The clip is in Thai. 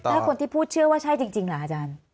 แล้วคนที่พูดเชื่อว่าใช่จริงล่ะอาจารย์